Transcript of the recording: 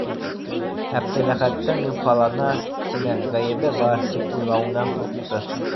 Әптеләхәттең, юхалана, тимәк, ғәйебе бар, тип уйлауынан ҡурҡты.